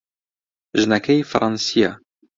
ژنەکەی فەڕەنسییە.